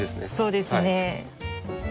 そうですね。